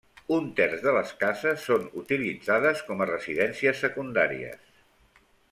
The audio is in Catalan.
Un terç de les cases són utilitzades com a residències secundàries.